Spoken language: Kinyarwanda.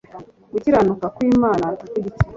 gukiranuka kw Imana tuvuge iki